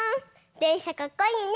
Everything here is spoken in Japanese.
でんしゃかっこいいね！